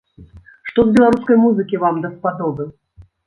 Што з беларускай музыкі вам даспадобы?